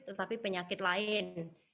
tetapi penyakit lain